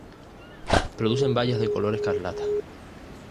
Producen bayas de color escarlata.